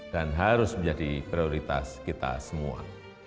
dan harus menjadi prioritas kita semua